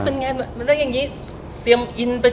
เป็นไงล่ะ